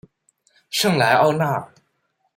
圣莱奥纳尔。